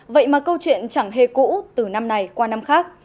vậy mà câu chuyện chẳng hề cũ từ năm này qua năm khác